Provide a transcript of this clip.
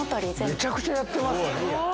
めちゃくちゃやってます。